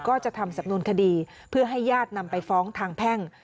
ก็จะทำสำนวนคดีเพื่อให้ญาตินำไปฟ้องทางแพ่ง